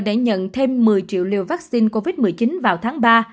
để nhận thêm một mươi triệu liều vaccine covid một mươi chín vào tháng ba